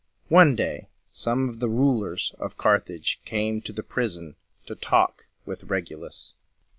One day some of the rulers of Carthage came to the prison to talk with Regulus.